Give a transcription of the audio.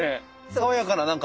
爽やかな何か。